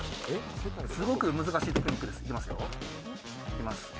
すごく難しいテクニックです。